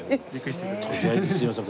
とりあえずすいません